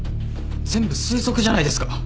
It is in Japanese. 全部推測じゃないですか。